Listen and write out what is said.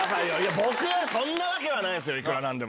僕、そんなわけはないですよ、いくらなんでも。